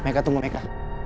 meka tunggu meka